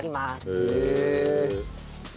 へえ。